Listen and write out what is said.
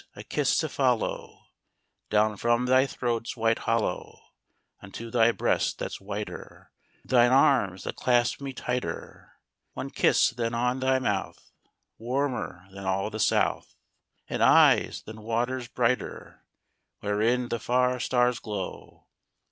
a kiss to follow Down from thy throat's white hollow Unto thy breast that's whiter: Thine arms, that clasp me tighter; One kiss then on thy mouth, Warmer than all the South; And eyes, than waters brighter Wherein the far stars glow.